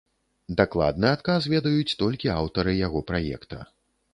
Дакладны адказ ведаюць толькі аўтары яго праекта.